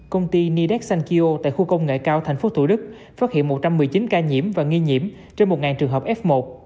công ty nidex sankeo tại khu công nghệ cao thành phố thủ đức phát hiện một trăm một mươi chín ca nhiễm và nghi nhiễm trên một trường hợp f một